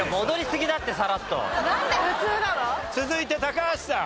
続いて高橋さん。